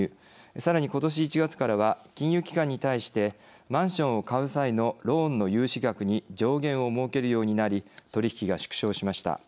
さらにことし１月からは金融機関に対してマンションを買う際のローンの融資額に上限を設けるようになり取り引きが縮小しました。